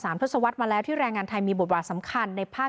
ทศวรรษมาแล้วที่แรงงานไทยมีบทบาทสำคัญในภาค